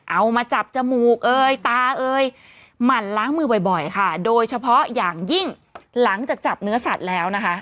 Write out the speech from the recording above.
เอามาจับจมูกเอยตาเอ่ยหมั่นล้างมือบ่อยค่ะโดยเฉพาะอย่างยิ่งหลังจากจับเนื้อสัตว์แล้วนะคะ